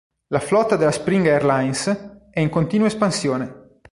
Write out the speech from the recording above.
La flotta della Spring Airlines è in continua espansione.